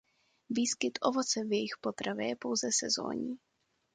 Výskyt ovoce v jejich potravě je pouze sezonní.